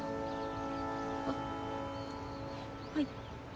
あっはい。